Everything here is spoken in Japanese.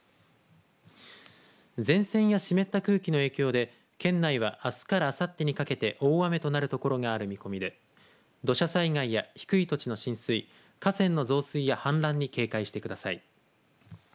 前線や湿った空気の影響で県内は、あすからあさってにかけて大雨となるところがある見込みで土砂災害や低い土地の浸水河川の増水や氾濫に警戒してください。